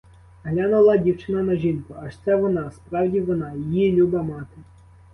Глянула дівчина на жінку, — аж це вона, справді вона, її люба мама.